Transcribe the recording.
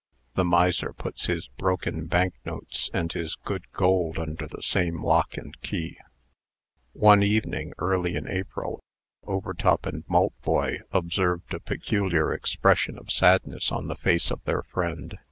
The miser puts his broken bank notes and his good gold under the same lock and key. One evening, early in April, Overtop and Maltboy observed a peculiar expression of sadness on the face of their friend.